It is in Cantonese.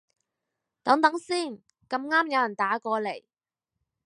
等等先，咁啱有人打過來